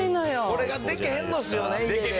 これがでけへんのですよね家で。